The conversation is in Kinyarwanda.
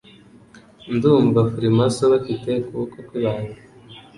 Ndumva Freemason bafite ukuboko kwi banga.